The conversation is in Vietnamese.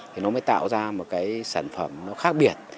thì nó mới tạo ra một cái sản phẩm nó khác biệt